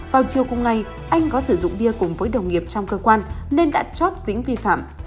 vào chiều cùng ngày anh có sử dụng bia cùng với đồng nghiệp trong cơ quan nên đã chóp dính vi phạm